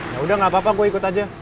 yaudah gapapa gua ikut aja